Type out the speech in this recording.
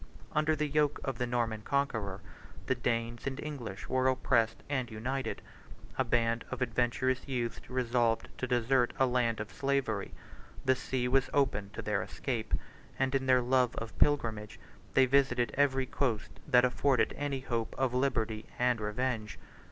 Under the yoke of the Norman conqueror, the Danes and English were oppressed and united; a band of adventurous youths resolved to desert a land of slavery; the sea was open to their escape; and, in their long pilgrimage, they visited every coast that afforded any hope of liberty and revenge.